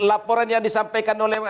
laporan yang disampaikan oleh